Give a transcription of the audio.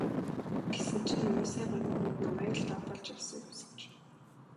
Тэгсэн чинь муусайн гамингууд намайг л даапаалж явсан юм санж.